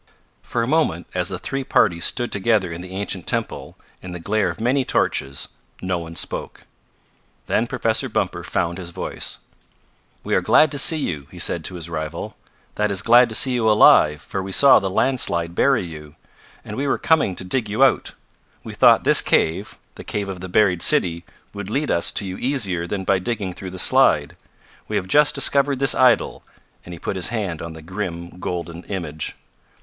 For a moment, as the three parties stood together in the ancient temple, in the glare of many torches, no one spoke. Then Professor Bumper found his voice. "We are glad to see you," he said to his rival. "That is glad to see you alive, for we saw the landslide bury you. And we were coming to dig you out. We thought this cave the cave of the buried city would lead us to you easier than by digging through the slide. We have just discovered this idol," and he put his hand on the grim golden image.